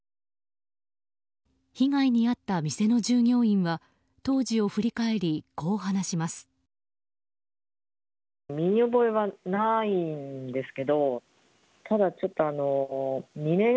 被害に遭った店の従業員は当時を振り返り、こう話します。